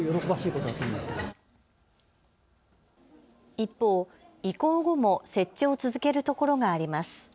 一方、移行後も設置を続けるところがあります。